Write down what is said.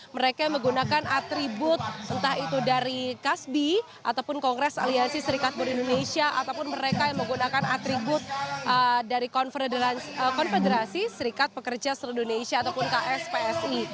mereka yang menggunakan atribut entah itu dari kasbi ataupun kongres aliansi serikat buru indonesia ataupun mereka yang menggunakan atribut dari konfederasi serikat pekerja seluruh indonesia ataupun kspsi